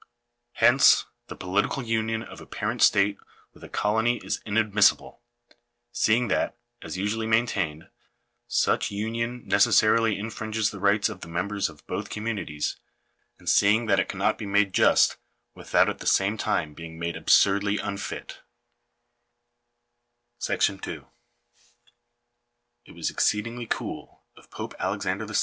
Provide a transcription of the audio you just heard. Hence, the political union of a parent state with a colony is inadmissible ; seeing that, as usually maintained, such union necessarily infringes the rights of the members of both com munities, and seeing that it cannot be made just without at the same time being made absurdly unfit. It was exceedingly cool of Pope Alexander VI.